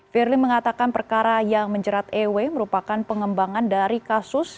firly mengatakan perkara yang menjerat ew merupakan pengembangan dari kasus